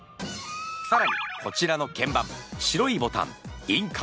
さらにこちらの鍵盤白いボタン印鑑。